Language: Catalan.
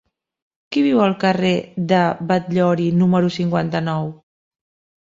Qui viu al carrer de Batllori número cinquanta-nou?